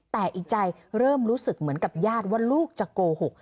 แต่อีกใจเริ่มรู้สึกเหมือนกับญาติว่าลูกจะโกหก